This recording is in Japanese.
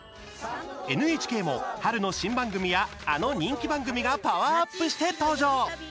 ＮＨＫも春の新番組やあの人気番組がパワーアップして登場。